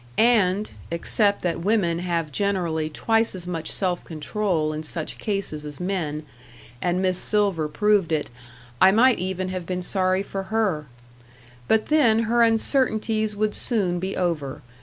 And, except that women have generally twice as much self control in such cases as men and Miss Silver proved it I might even have been sorry for her. But then her uncertainties would soon be over.